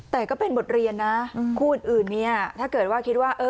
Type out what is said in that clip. แต่ก็เป็นบทเรียนนะคู่อื่นเนี่ยถ้าเกิดว่าคิดว่าเออ